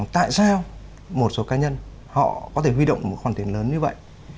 tại sao một số cá nhân họ có thể huy động một khoản tiền lớn như vậy